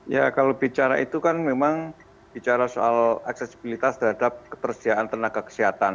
ya kalau bicara itu kan memang bicara soal aksesibilitas terhadap ketersediaan tenaga kesehatan